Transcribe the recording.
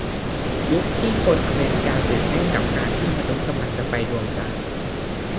ยุคที่คนอเมริกาตื่นเต้นกับการที่มนุษย์กำลังจะไปดวงจันทร์